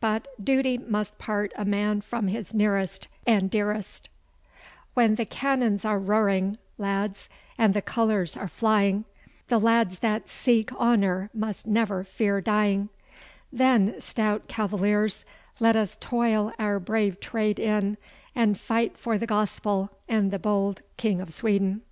But duty must part a man from his nearest and dearest "When the cannons are roaring, lads, and the colours are flying, The lads that seek honour must never fear dying; Then, stout cavaliers, let us toil our brave trade in, And fight for the Gospel and the bold King of Sweden."